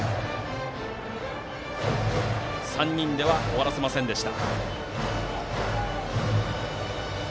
３人では終わらせませんでした。